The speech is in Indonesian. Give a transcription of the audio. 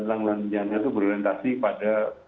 penanggulan bencana itu berorientasi pada